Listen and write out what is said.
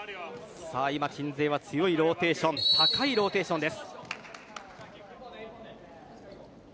今、鎮西は強いローテーション高いローテーションです。